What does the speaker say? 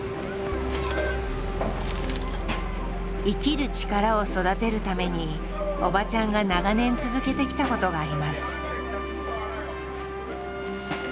生きる力を育てるためにおばちゃんが長年続けてきたことがあります。